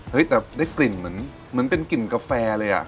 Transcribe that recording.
แต่ได้กลิ่นเหมือนเป็นกลิ่นกาแฟเลยอ่ะ